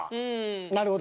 なるほど。